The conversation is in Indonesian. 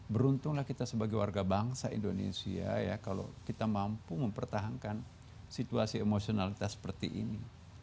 beruntunglah kita sebagai warga bangsa indonesia ya kalau kita mampu mempertahankan situasi emosionalitas seperti ini